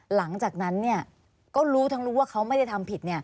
หลังจากนั้นก็รู้ทั้งรู้ว่าเขาไม่ได้ทำผิด